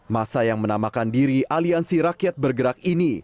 masa yang menamakan diri aliansi rakyat bergerak ini